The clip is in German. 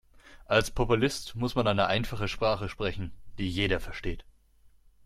Als Populist muss man eine einfache Sprache sprechen, die jeder versteht.